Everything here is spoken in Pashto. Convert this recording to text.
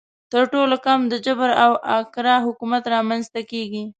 تر ټولو کم د جبر او اکراه حکومت رامنځته کیږي.